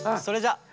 それじゃ。